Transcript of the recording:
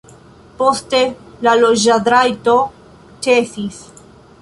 Poste la loĝadrajto ĉesis.